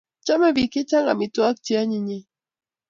chomei biik che chang' amitwogik che anyinyen